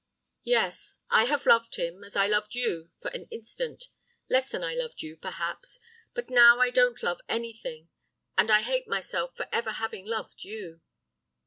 "'Yes, I have loved him as I loved you for an instant less than I loved you, perhaps. But now I don't love anything, and I hate myself for ever having loved you.